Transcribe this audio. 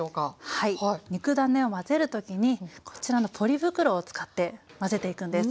はい肉ダネを混ぜる時にこちらのポリ袋を使って混ぜていくんです。